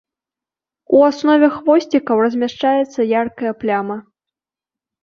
У аснове хвосцікаў размяшчаецца яркая пляма.